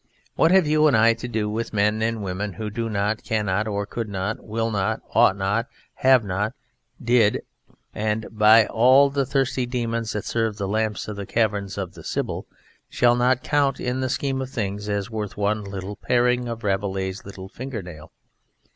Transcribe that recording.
What have you and I to do with men and women who do not, cannot, could not, will not, ought not, have not, did, and by all the thirsty Demons that serve the lamps of the cavern of the Sibyl, shall not count in the scheme of things as worth one little paring of Rabelais' little finger nail?